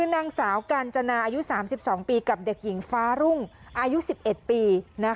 นางสาวกัญจนาอายุ๓๒ปีกับเด็กหญิงฟ้ารุ่งอายุ๑๑ปี